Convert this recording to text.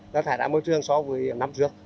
nó thải ra môi trường so với năm trước